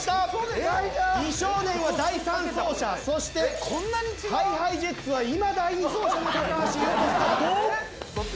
美少年は第３走者そしてＨｉＨｉＪｅｔｓは今第２走者の橋優斗スタート。